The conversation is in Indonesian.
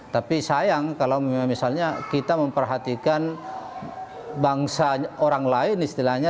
tapi sayang kalau misalnya kita memperhatikan bangsa orang lain istilahnya